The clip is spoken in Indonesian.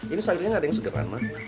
ini sayur ini ada yang sederhana ma